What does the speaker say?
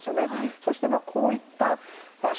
そして、こういった場所